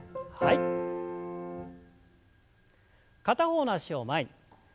片方の脚を前に。